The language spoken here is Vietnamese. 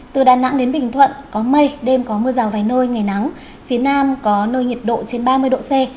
từ đà nẵng đến bình thuận có mây đêm có mưa rào vài nơi ngày nắng phía nam có nơi nhiệt độ trên ba mươi độ c